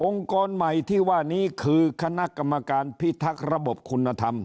กรใหม่ที่ว่านี้คือคณะกรรมการพิทักษ์ระบบคุณธรรม